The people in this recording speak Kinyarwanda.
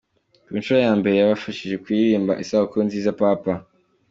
Ku nshuro ya mbere yabashije kuririmba Isabukuru Nziza Papa.